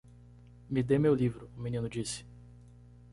"Me dê meu livro?" o menino disse.